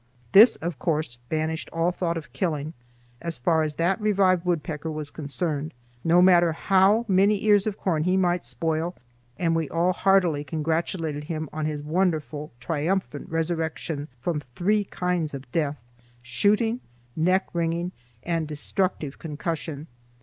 This of course banished all thought of killing, as far as that revived woodpecker was concerned, no matter how many ears of corn he might spoil, and we all heartily congratulated him on his wonderful, triumphant resurrection from three kinds of death,—shooting, neck wringing, and destructive concussion.